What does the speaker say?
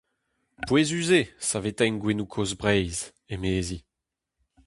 Pouezus eo saveteiñ gouennoù kozh Breizh, emezi.